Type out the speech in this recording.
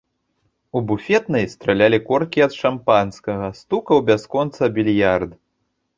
У буфетнай стралялі коркі ад шампанскага, стукаў бясконца більярд.